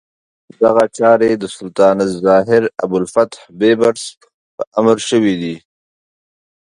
دغه چارې د سلطان الظاهر ابوالفتح بیبرس په امر شوې دي.